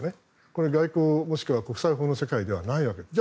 これ、外交、もしくは国際法の世界ではないんです。